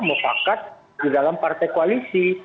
mufakat di dalam partai koalisi